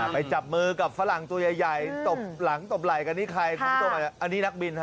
ไปจับมือกับฝรั่งตัวใหญ่ตบหลังตบไหล่กันอันนี้ใคร